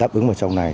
đáp ứng vào trong này